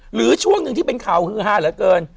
หรือช่วงหนึ่งที่เป็นข่าวฮล่ามละเกิน